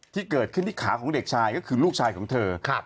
ที่เกิดขึ้นที่ขาของเด็กชายก็คือลูกชายของเธอ